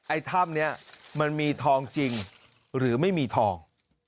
ถ้ำนี้มันมีทองจริงหรือไม่มีทอง